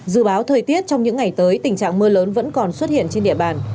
dự báo thời tiết trong những ngày tới tình trạng mưa lớn vẫn còn xuất hiện trên địa bàn